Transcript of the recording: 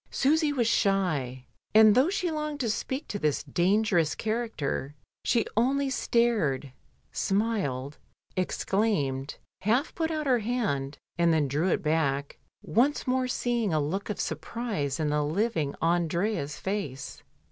Susy was shy, and though she longed to speak to this dangerous character she only stared, smiled, exclaimed, half put out her hand, and then drew it back once more seeing a look of surprise in the living Andrea's face.